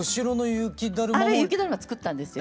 雪だるま作ったんですよ。